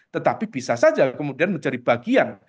tetapi bisa saja kemudian menjadi bagian